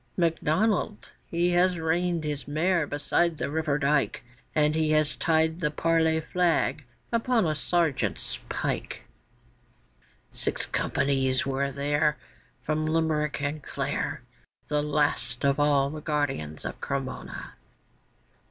MacDonnell he has reined his mare beside the river dyke, And he has tied the parley flag upon a sergeant's pike; Six companies were there From Limerick and Clare, The last of all the guardians of Cremona.